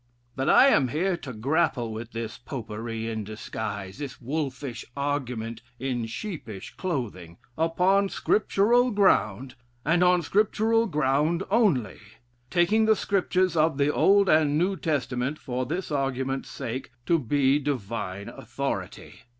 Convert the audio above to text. But I am here to grapple with this Popery in disguise, this wolfish argument in sheepish clothing, upon Scriptural ground, and on Scriptural ground only; taking the Scriptures of the Old and New Testament, for this argument's sake, to be divine authority.